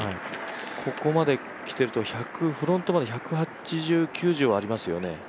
ここまできているとフロントまで１８０、９０はありますね。